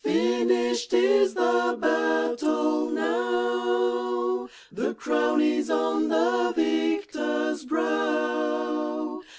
Finished is the battle now; The crown is on the Victor's brow